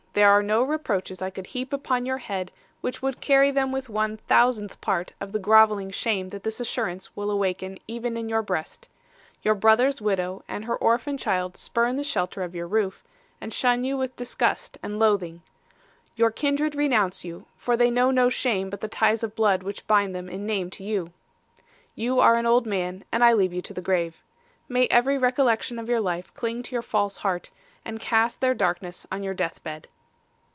There are no reproaches I could heap upon your head which would carry with them one thousandth part of the grovelling shame that this assurance will awaken even in your breast. 'Your brother's widow and her orphan child spurn the shelter of your roof, and shun you with disgust and loathing. Your kindred renounce you, for they know no shame but the ties of blood which bind them in name with you. 'You are an old man, and I leave you to the grave. May every recollection of your life cling to your false heart, and cast their darkness on your death bed.